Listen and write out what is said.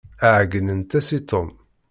Ɛeyynent-as i Tom.